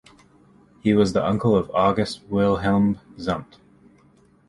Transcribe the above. He was the uncle of August Wilhelm Zumpt.